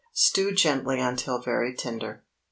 Stew gently until very tender.